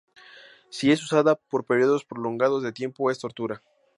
Si es usada por periodos prolongados de tiempo es tortura.